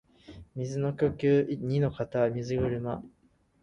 水の呼吸弐ノ型水車（にのかたみずぐるま）